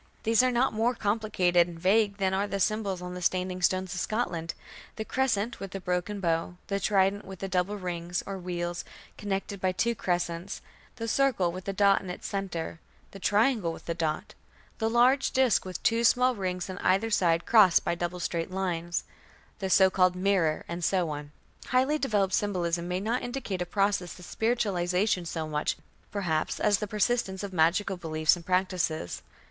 These are not more complicated and vague than are the symbols on the standing stones of Scotland the crescent with the "broken" arrow; the trident with the double rings, or wheels, connected by two crescents; the circle with the dot in its centre; the triangle with the dot; the large disk with two small rings on either side crossed by double straight lines; the so called "mirror", and so on. Highly developed symbolism may not indicate a process of spiritualization so much, perhaps, as the persistence of magical beliefs and practices.